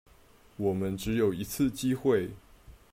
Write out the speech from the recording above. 我們只有一次機會